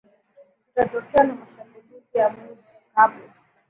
kukatokea na mashambulizi ya mwi kabla